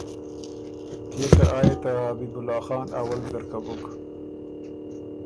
کيې که آ يې ته حبیب الله خان اول ځرکۀ بُک۔